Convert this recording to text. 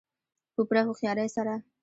په پوره هوښیارۍ سره.